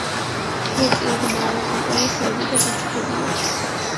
მეტწილად მარადმწვანე ხეები და ბუჩქებია.